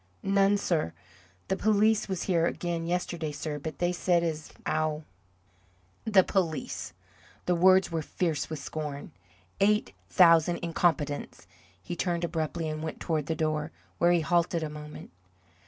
"None, sir. The police was here again yesterday sir, but they said as 'ow " "The police!" The words were fierce with scorn. "Eight thousand incompetents!" He turned abruptly and went toward the door, where he halted a moment.